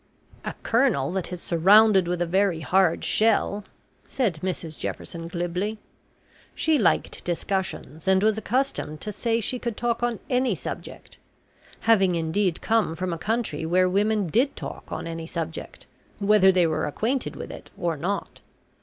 "A kernel that is surrounded with a very hard shell," said Mrs Jefferson glibly. She liked discussions, and was accustomed to say she could talk on any subject having indeed come from a country where women did talk on any subject, whether they were acquainted, with it or not.